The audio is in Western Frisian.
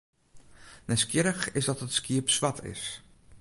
Nijsgjirrich is dat it skiep swart is.